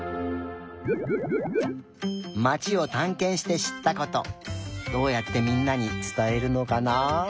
まちをたんけんしてしったことどうやってみんなにつたえるのかな？